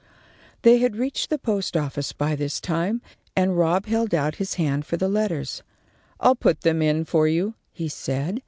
They had reached the post office by this time, and Rob held out his hand for the letters. "I'll put them in for you," he said.